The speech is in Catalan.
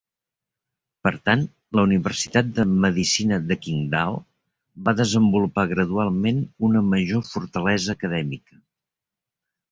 Per tant, la universitat de medicina de Qingdao va desenvolupar gradualment una major fortalesa acadèmica.